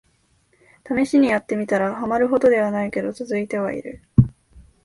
ためしにやってみたら、ハマるほどではないけど続いてはいる